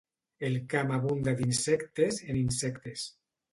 El camp abunda d'insectes, en insectes.